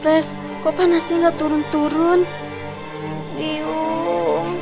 itu pelas burung rosmila